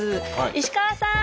石河さん！